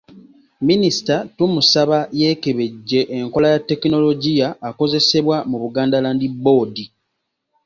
Minisita tumusaba yeekebejje enkola ya ttekinologiya akozesebwa mu Buganda Land Board.